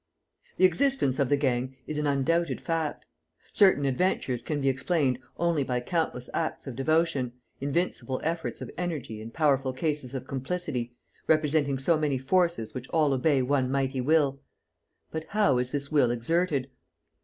The existence of the gang is an undoubted fact. Certain adventures can be explained only by countless acts of devotion, invincible efforts of energy and powerful cases of complicity, representing so many forces which all obey one mighty will. But how is this will exerted?